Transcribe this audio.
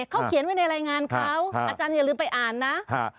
เขาเขียนไว้ในรายงานเขาอาจารย์อย่าลืมไปอ่านนะ